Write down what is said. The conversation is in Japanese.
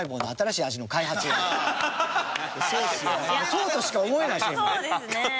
そうとしか思えない。